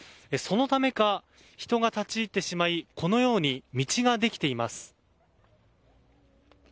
そのためか人が立ち入ってしまいこのように道ができています。